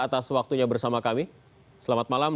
atas waktunya bersama kami selamat malam